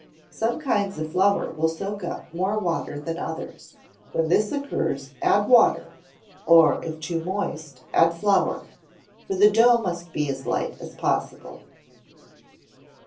Some kinds of flour will soak up more water than others; when this occurs, add water; or if too moist, add flour: for the dough must be as light as possible.